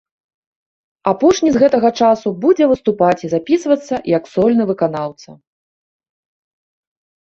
Апошні з гэтага часу будзе выступаць і запісвацца як сольны выканаўца.